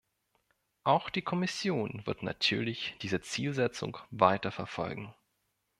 Auch die Kommission wird natürlich diese Zielsetzung weiterverfolgen.